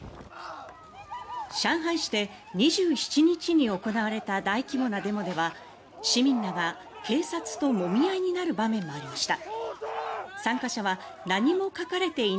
上海市で２７日に行われた大規模なデモでは市民らが警察ともみ合いになる場面もありました。